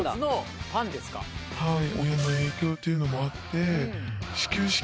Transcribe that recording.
はい。